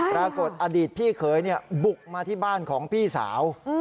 ปรากฏอดีตพี่เคยบุกมาที่บ้านของพี่สาว